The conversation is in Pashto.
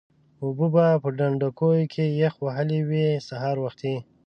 اوبه به په ډنډوکیو کې یخ وهلې وې سهار وختي.